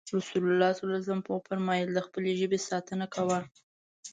رسول الله ص وفرمايل د خپلې ژبې ساتنه کوه.